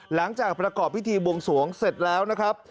หลังจากประกอบพิธีบวงสวงเสร็จแล้วนะครับ